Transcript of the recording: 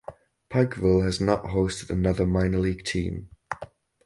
Pikeville has not hosted another minor league team.